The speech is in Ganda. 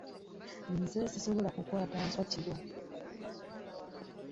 Nze sisobola kukwaata nswa ekiro.